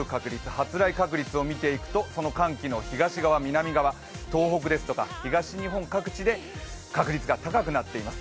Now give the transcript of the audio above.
発雷確率を見ていくと、その寒気の東側、南側、東北ですとか東日本各地で確率が高くなっています。